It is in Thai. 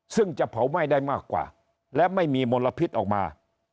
ซึ่งจะเผาไหม้ได้มากกว่าและไม่มีมลพิษออกมา